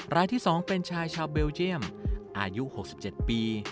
รายที่๒เป็นชายชาวเบลเจียมอายุ๖๗ปี